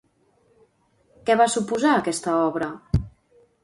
Què va suposar aquesta obra?